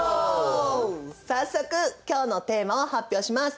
早速今日のテーマを発表します！